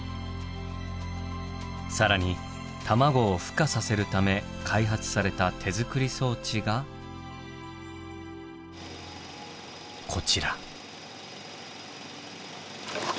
更に卵をふ化させるため開発された手作り装置がこちら。